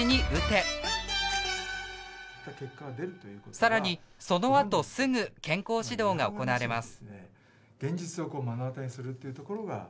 更にそのあとすぐ健康指導が行われます。